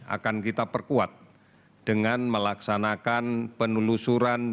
akan kita perkuat dengan melaksanakan penelusuran